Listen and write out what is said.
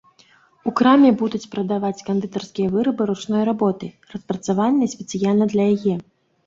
У краме будуць прадаваць кандытарскія вырабы ручной работы, распрацаваныя спецыяльна для яе.